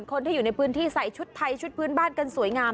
คนที่อยู่ในพื้นที่ใส่ชุดไทยชุดพื้นบ้านกันสวยงาม